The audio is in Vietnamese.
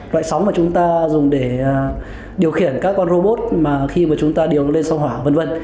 loại sóng mà chúng ta dùng để điều khiển các con robot mà khi mà chúng ta điều lên sông hỏa vân vân